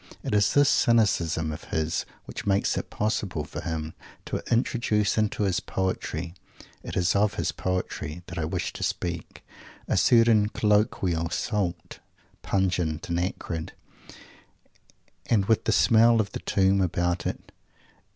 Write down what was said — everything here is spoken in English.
It is this "cynicism" of his which makes it possible for him to introduce into his poetry it is of his poetry that I wish to speak a certain colloquial salt, pungent and acrid, and with the smell of the tomb about it.